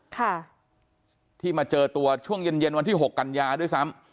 ค่ะที่มาเจอตัวช่วงเย็นเย็นวันที่หกกันยาด้วยซ้ำ